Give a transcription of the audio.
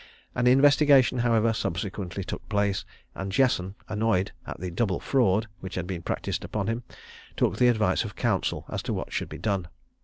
An investigation, however, subsequently took place, and Jesson, annoyed at the double fraud which had been practised upon him, took the advice of counsel as to what should be done.